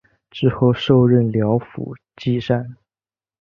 之后授任辽府纪善。